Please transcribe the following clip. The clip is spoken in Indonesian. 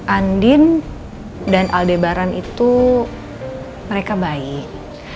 andin dan aldebaran itu mereka baik